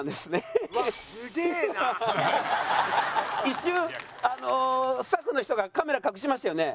一瞬スタッフの人がカメラ隠しましたよね。